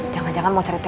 jangan jangan mau cari tkw